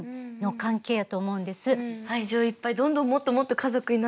愛情いっぱいどんどんもっともっと家族になっていくんですよね。